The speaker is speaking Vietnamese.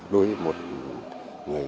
đối với một cán bộ